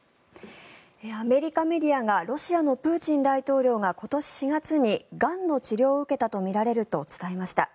アメリカメディアがロシアのプーチン大統領が今年４月にがんの治療を受けたとみられると伝えました。